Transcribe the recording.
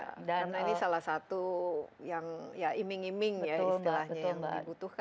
karena ini salah satu yang ya iming iming ya istilahnya yang dibutuhkan ya